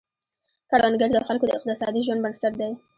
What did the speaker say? کروندګري د خلکو د اقتصادي ژوند بنسټ دی.